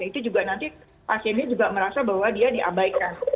itu juga nanti pasiennya juga merasa bahwa dia diabaikan